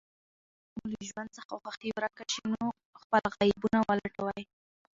کله چې مو له ژوند څخه خوښي ورکه شي، نو خپل عيبونه ولټوئ.